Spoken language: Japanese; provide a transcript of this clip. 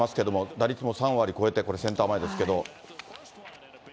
打率も３割超えて、これ、センター前ですけど。